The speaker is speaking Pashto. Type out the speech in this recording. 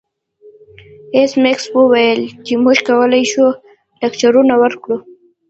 ایس میکس وویل چې موږ کولی شو لکچرونه ورکړو